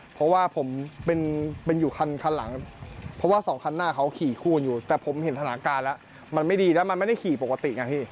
เพราะว่าผมเป็นอยู่คันหลังเพราะว่าสองคันหน้าเขาขี่คู่กันอยู่แต่ผมเห็นสถานการณ์แล้วมันไม่ดีแล้วมันไม่ได้ขี่ปกติไงพี่